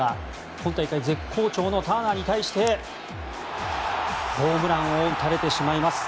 今大会絶好調のターナーに対してホームランを打たれてしまいます。